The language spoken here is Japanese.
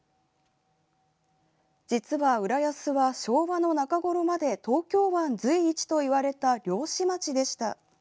実は浦安は昭和の中頃まで東京湾随一といわれた漁師町でした。